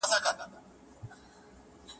تخنیکي پوهه د کارګرانو عاید ډېروي.